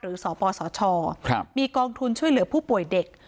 สปสชมีกองทุนช่วยเหลือผู้ป่วยเด็ก